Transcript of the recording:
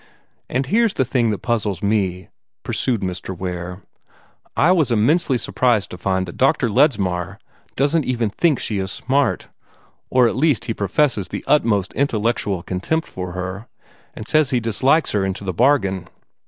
"And here's a thing that puzzles me," pursued Mr. Ware. "I was immensely surprised to find that Dr. Ledsmar doesn't even think she is smart or at least he professes the utmost intellectual contempt for her, and says he dislikes her into the bargain.